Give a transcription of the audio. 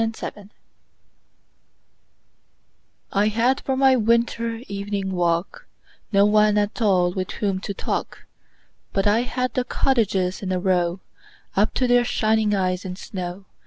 Good Hours I HAD for my winter evening walk No one at all with whom to talk, But I had the cottages in a row Up to their shining eyes in snow.